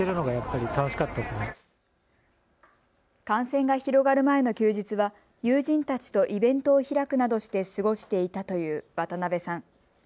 感染が広がる前の休日は友人たちとイベントを開くなどして過ごしていたという渡辺さん。